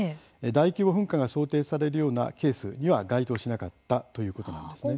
大規模噴火が想定されるようなケースには該当しなかったということなんですね。